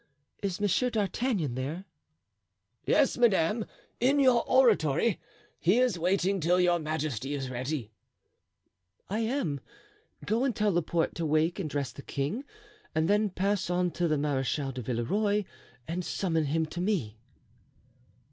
"Is Monsieur d'Artagnan there?" "Yes, madame, in your oratory. He is waiting till your majesty is ready." "I am. Go and tell Laporte to wake and dress the king, and then pass on to the Marechal de Villeroy and summon him to me."